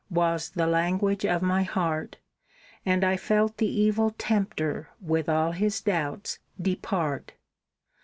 was the language of my heart, And I felt the Evil Tempter with all his doubts depart.